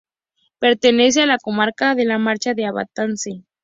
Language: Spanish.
Pertenece a la comarca de La Mancha de Albacete.